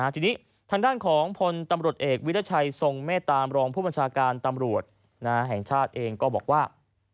ทีนี้ทางด้านของพลตำรวจเอกวิรัชัยทรงเมตตามรองผู้บัญชาการตำรวจแห่งชาติเองก็บอกว่า